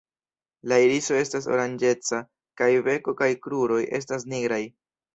La iriso estas oranĝeca, kaj beko kaj kruroj estas nigraj.